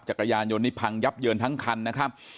จักรยานยนต์นี้พังยับเยินทั้งคันนะครับ